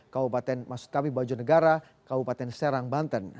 kabupaten maksud kami bojonegara kabupaten serang banten